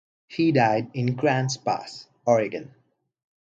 He died in Grants Pass, Oregon.